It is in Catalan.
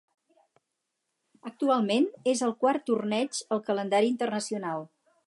Actualment és el quart torneig al calendari internacional.